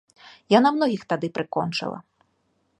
Яна многіх тады прыкончыла.